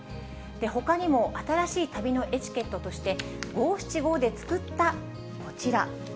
ほかにも、新しい旅のエチケットとして、五七五で作ったこちら。